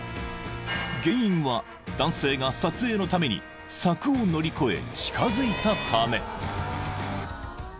［原因は男性が撮影のために柵を乗り越え近づいたため］